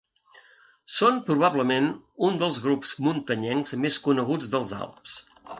Són probablement un dels grups muntanyencs més coneguts dels Alps.